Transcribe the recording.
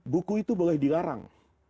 buku itu boleh dilarang